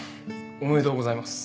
おめでとうございます。